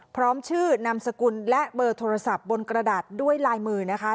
พร้อมชื่อนามสกุลและเบอร์โทรศัพท์บนกระดาษด้วยลายมือนะคะ